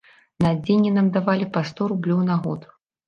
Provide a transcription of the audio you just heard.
На адзенне нам давалі па сто рублёў на год.